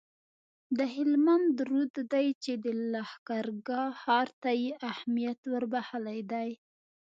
د هلمند رود دی چي د لښکرګاه ښار ته یې اهمیت وربخښلی دی